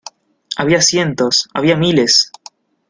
había cientos, había miles.